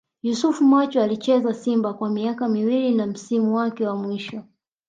Yusuf Macho Alicheza Simba kwa miaka miwili na msimu wake wa mwisho